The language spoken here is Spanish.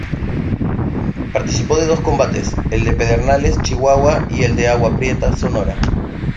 Participó de dos combates: el de Pedernales, Chihuahua, y el de Agua Prieta, Sonora.